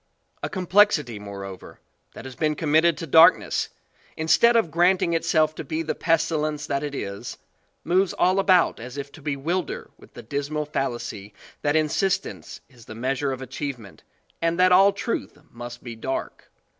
A complexity moreover, that has been committed to darkness, instead of granting it self to be the pestilence that it is, moves all a bout as if to bewilder with the dismal fallacy that insistence is the measure of achievement and that all truth must be dark.